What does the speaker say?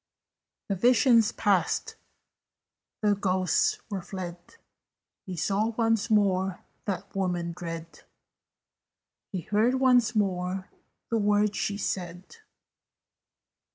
The vision passed: the ghosts were fled: He saw once more that woman dread: He heard once more the words she said.